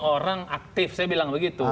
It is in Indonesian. orang aktif saya bilang begitu